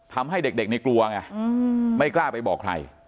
ทำให้เด็กนี่กลัวไงไม่กล้าไปบอกใคร